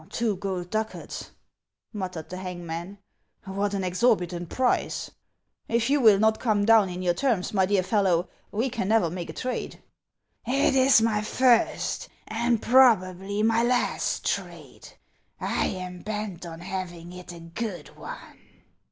"Two gold ducats !" muttered the hangman; "what an exorbitant price ! If you will not come down in your terms, my dear fellow, we can never make a trade." "It is my first and probably my last trade ; I am bent on having it a good one."